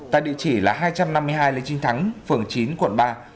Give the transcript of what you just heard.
tại địa chỉ là hai trăm năm mươi hai lê trinh thắng phường chín quận ba